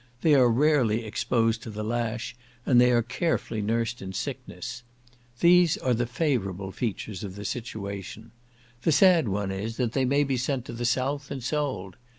They are rarely exposed to the lash, and they are carefully nursed in sickness. These are the favourable features of their situation. The sad one is, that they may be sent to the south and sold.